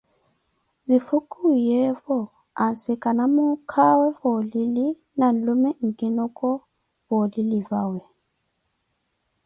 Zifukuwiyeewo, ansikana muukawe va oulili na nlume nkinoko va olili vawe